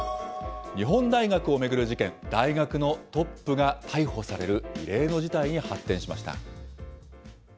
日本大学を巡る事件、大学のトップが逮捕される異例の事態に発展しました。